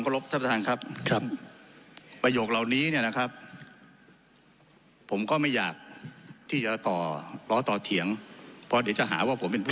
รบท่านประธานครับครับประโยคเหล่านี้เนี่ยนะครับผมก็ไม่อยากที่จะต่อล้อต่อเถียงเพราะเดี๋ยวจะหาว่าผมเป็นผู้